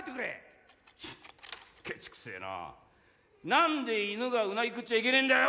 なんで犬がうなぎ食っちゃいけねえんだよ！